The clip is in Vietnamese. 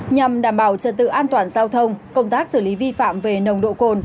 nhằm đảm bảo trật tự an toàn giao thông công tác xử lý vi phạm về nồng độ cồn